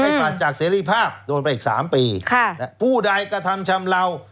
ปราศจากเสรีภาพโดนไปอีกสามปีค่ะผู้ใดกระทำชำเลา